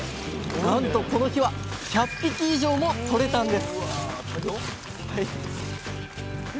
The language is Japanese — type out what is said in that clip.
なんとこの日は１００匹以上もとれたんです！